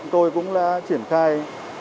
chúng tôi cũng đã triển khai